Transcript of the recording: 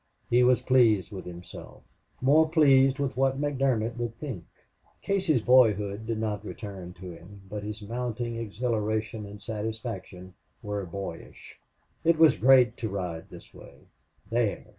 He was pleased with himself; more pleased with what McDermott would think. Casey's boyhood did not return to him, but his mounting exhilaration and satisfaction were boyish. It was great to ride this way!... There!